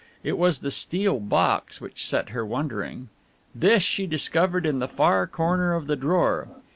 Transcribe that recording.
It was the steel box which set her wondering. This she discovered in the far corner of the drawer.